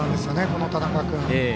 この田中君は。